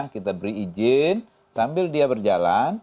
kita beri izin sambil dia berjalan